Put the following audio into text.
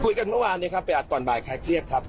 คุยกันเมื่อวานนี้ครับไปอัดตอนบ่ายใครเครียดครับ